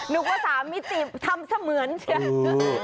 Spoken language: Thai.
นึกว่า๓มิติทำเสมือน